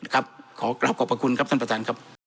ครับขอกลับขอบพระคุณครับท่านประธานครับ